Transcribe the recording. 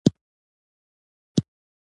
نادولتي بنسټونه یې په وړیا ډول تر سره کوي.